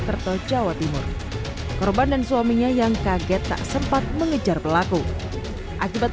kerto jawa timur korban dan suaminya yang kaget tak sempat mengejar pelaku akibat